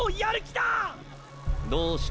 どうした？